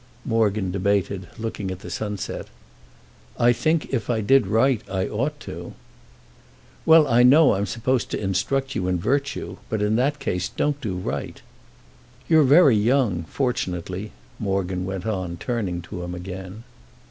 Morgan debated, looking at the sunset. "I think if I did right I ought to." "Well, I know I'm supposed to instruct you in virtue; but in that case don't do right." "'You're very young—fortunately," Morgan went on, turning to him again.